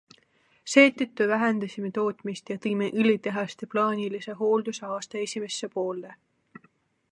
Seetõttu vähendasime tootmist ja tõime õlitehaste plaanilise hoolduse aasta esimesse poolde.